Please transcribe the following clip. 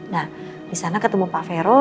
nah disana ketemu pak fero